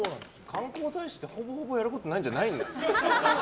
観光大使って、ほぼほぼやることないんじゃないんだ。